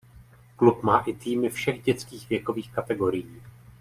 Klub má i týmy všech dětských věkových kategorií.